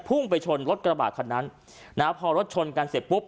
พุ่งไปชนรถกระบาดคันนั้นนะฮะพอรถชนกันเสร็จปุ๊บ